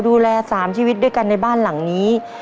ดูแล๓ชีวิตด้วยกันในบ้านหลังนี้